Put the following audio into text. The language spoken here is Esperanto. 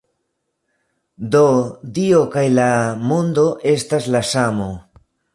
Do, Dio kaj la mondo estas la samo.